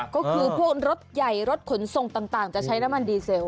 ก็คือพวกรถใหญ่รถขนส่งต่างจะใช้น้ำมันดีเซล